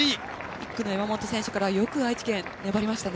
１区の山本選手から愛知県よく粘りましたね。